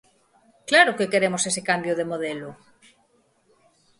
¡Claro que queremos ese cambio de modelo!